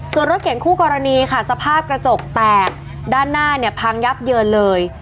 ส่วนรถเก่งคู่กรณีค่ะสภาพกระจกแตกด้านหน้าเนี่ยพังยับเยินเลย